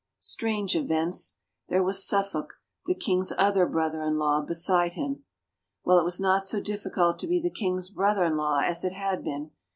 Strange events! There was Suffolk, the king's other brother in law, beside him. Well, it was not so difficult to be the king's brother in law as it had been.